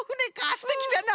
すてきじゃな。